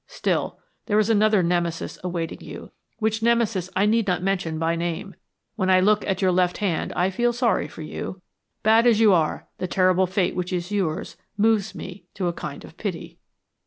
Still, there is another Nemesis awaiting you, which Nemesis I need not mention by name. When I look at your left hand I feel sorry for you. Bad as you are, the terrible fate which is yours moves me to a kind of pity."